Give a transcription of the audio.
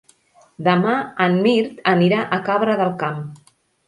Demà en Mirt anirà a Cabra del Camp.